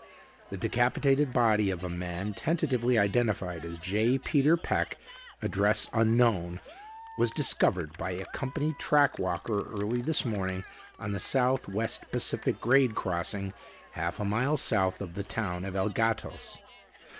The decapitated body of a man tentatively identified as J. Peter Peck, address unknown, was discovered by a company track walker early this morning on the South West Pacific grade crossing half a mile south of the town of El Gatos.